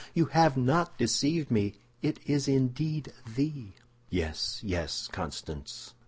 You have not deceived me! It is indeed thee!" "Yes, yes, Constance.